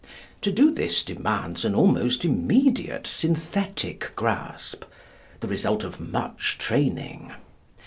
To do this demands an almost immediate synthetic grasp, the result of much training.